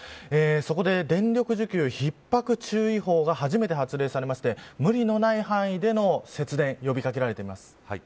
そこで電力需給ひっ迫注意報が初めて発令されて無理のない範囲での節電呼び掛けられています。